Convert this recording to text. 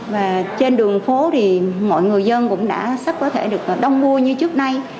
và trên đường phố thì mọi người dân cũng đã sắp có thể được đông mua như trước nay